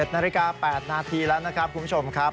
๑นาฬิกา๘นาทีแล้วนะครับคุณผู้ชมครับ